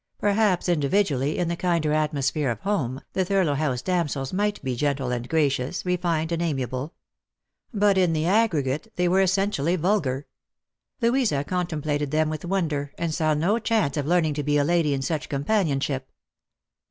Perhaps individually, in the kinder atmosphere of home, the Thurlow House damsels might be gentle and gracious, refined and amiable. But in the aggregate they were essentially vulgar. Louisa contemplated them with wonder, and saw no chance of learning to be a lady in such companionship.